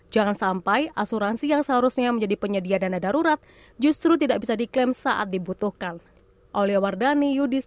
jangan sampai asuransi yang seharusnya menjadi penyedia dana darurat justru tidak bisa diklaim saat dibutuhkan